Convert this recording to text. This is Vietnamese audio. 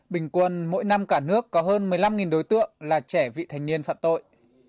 bình quân mỗi năm cả nước có hơn một mươi năm đối tượng là trẻ vị thành niên phạm tội